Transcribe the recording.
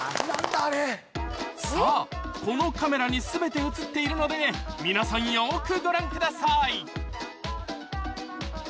さぁこのカメラに全て映っているので皆さんよくご覧ください